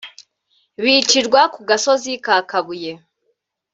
bicirwa ku gasozi ka Kabuye